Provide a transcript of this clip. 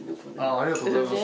ありがとうございます。